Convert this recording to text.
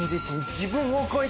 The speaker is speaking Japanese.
自分を超えたい。